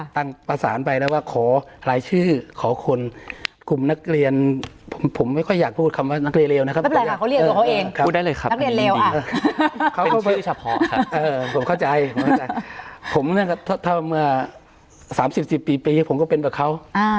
ถ้าเมื่อ๓๐๔๐ปีผมก็เป็นแบบเขา